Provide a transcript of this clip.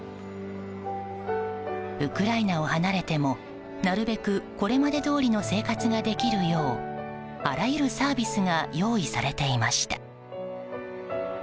ウクライナを離れてもなるべく、これまでどおりの生活ができるようあらゆるサービスが用意されていました。